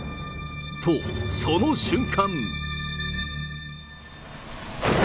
と、その瞬間。